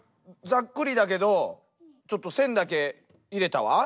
ざっくりだけどちょっと線だけ入れたわ。